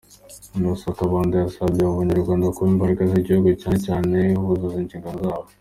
Innocent Kabandana yasabye abo Banyarwanda kuba imbaraga z’igihugu cyane cyane buzuza inshingano zabo.